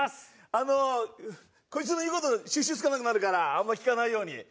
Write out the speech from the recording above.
あのこいつの言う事収拾つかなくなるからあんまり聞かないように。